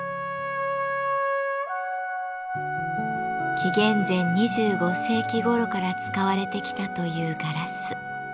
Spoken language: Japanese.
紀元前２５世紀ごろから使われてきたというガラス。